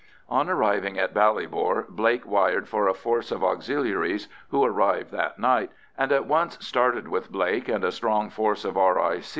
On arriving in Ballybor, Blake wired for a force of Auxiliaries, who arrived that night, and at once started with Blake and a strong force of R.I.